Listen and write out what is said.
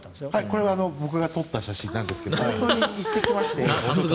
これは僕が撮った写真なんですけど行ってきまして。